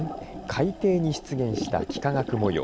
海底に出現した幾何学模様。